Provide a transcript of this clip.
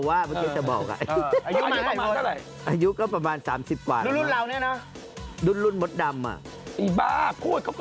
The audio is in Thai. แล้วตอนนี้ยังมีผลงานไหม